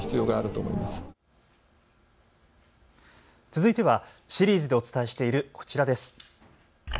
続いてはシリーズでお伝えしているこちらです。